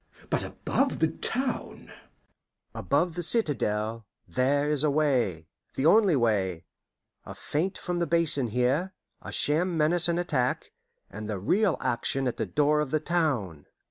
"But above the town " "Above the citadel there is a way the only way: a feint from the basin here, a sham menace and attack, and the real action at the other door of the town."